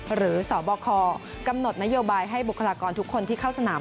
สบคกำหนดนโยบายให้บุคลากรทุกคนที่เข้าสนาม